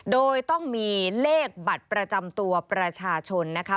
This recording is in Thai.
โดยต้องมีเลขบัตรประจำตัวประชาชนนะคะ